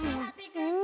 うん！